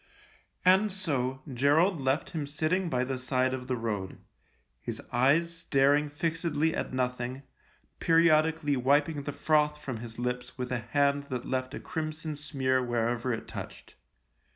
And so Gerald left him sitting by the side of the road, his eyes staring fixedly at nothing, periodically wiping the froth from his lips with a hand that left a crimson smear wherever it touched.